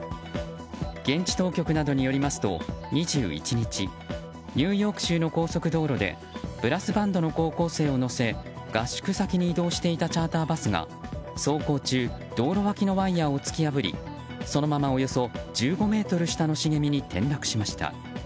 現地当局などによりますと２１日、ニューヨーク州の高速道路でブラスバンドの高校生を乗せ合宿先に移動していたチャーターバスが走行中道路脇のワイヤを突き破りそのまま、およそ１５ｍ下の茂みに転落しました。